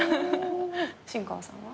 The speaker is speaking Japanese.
新川さんは？